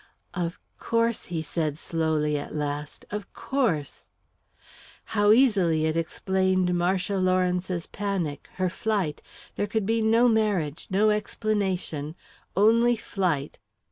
"Of course," he said slowly, at last. "Of course." How easily it explained Marcia Lawrence's panic, her flight there could be no marriage, no explanation only flight!